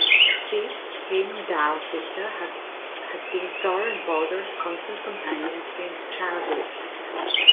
Sif, Heimdall's sister, has been Thor and Balder's constant companion since childhood.